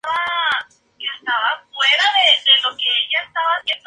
Para cifrar algo necesitas la llave correcta